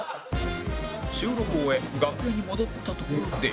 収録を終え楽屋に戻ったところで